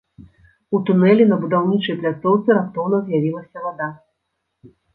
У тунэлі на будаўнічай пляцоўцы раптоўна з'явілася вада.